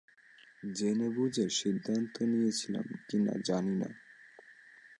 জেনে-বুঝে সিদ্ধান্ত নিয়েছিলাম কি-না জানি না।